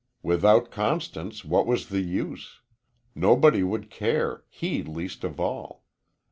Without Constance, what was the use? Nobody would care he least of all.